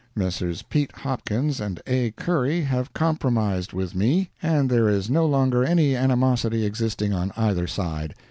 Messrs. Pete Hopkins and A. Curry have compromised with me, and there is no longer any animosity existing on either side.